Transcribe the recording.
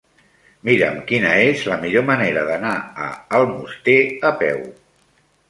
Mira'm quina és la millor manera d'anar a Almoster a peu.